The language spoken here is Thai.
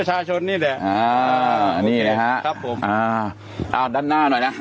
นี่แหละอ่าอันนี้นะฮะครับผมอ่าอ่าด้านหน้าหน่อยนะ